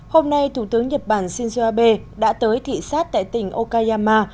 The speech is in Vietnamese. hôm nay thủ tướng nhật bản shinzo abe đã tới thị xát tại tỉnh okayama